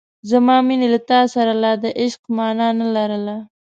زما مینې له تا سره لا د عشق مانا نه لرله.